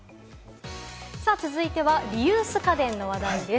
続いては、リユース家電の話題です。